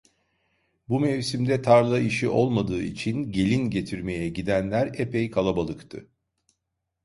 Bu mevsimde tarla işi olmadığı için, gelin getirmeye gidenler epey kalabalıktı.